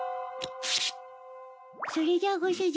それじゃあご主人